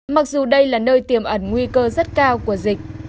mặc dù đây là nơi tiềm ẩn nguy cơ rất cao của dịch